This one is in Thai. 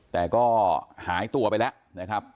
แต่ก็หายตัวไปแล้วนะครับ